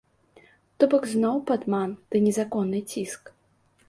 То бок зноў падман ды незаконны ціск.